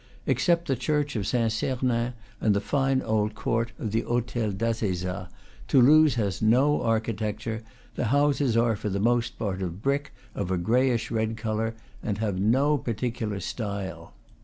Except the church of Saint Sernin and the fine old court of the Hotel d'Assezat, Toulouse has no architecture; the houses are for the most part of brick, of a grayish red color, and have no particular style.